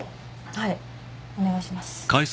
はいお願いします